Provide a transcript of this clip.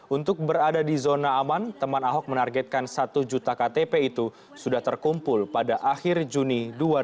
untuk berada di zona aman teman ahok menargetkan satu juta ktp itu sudah terkumpul pada akhir juni dua ribu dua puluh